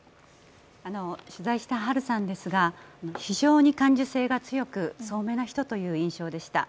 取材したハルさんですが非常に感受性が強く、聡明な人という印象でした。